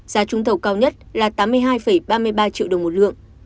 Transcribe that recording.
giá trúng thầu cao nhất là tám mươi hai ba mươi ba triệu đồng một lượng